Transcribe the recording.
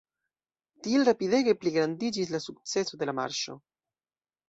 Tiel rapidege pligrandiĝis la sukceso de la marŝo.